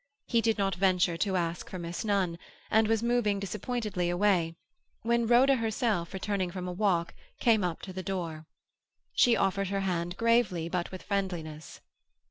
He did not venture to ask for Miss Nunn, and was moving disappointedly away, when Rhoda herself, returning from a walk, came up to the door. She offered her hand gravely, but with friendliness.